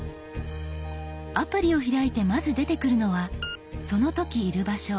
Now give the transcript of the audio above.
アプリを開いてまず出てくるのはその時いる場所